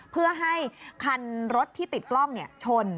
เพื่อให้คันรถที่ติดกล้องชน